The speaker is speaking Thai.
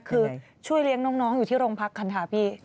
คือช่วยเลี้ยงน้องอยู่ที่โรงพักธรรมศาสตร์พี่